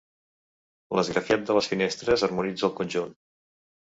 L'esgrafiat de les finestres harmonitza el conjunt.